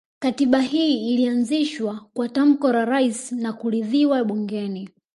Katiba hii ilianzishwa kwa tamko la Rais na kuridhiwa bungeni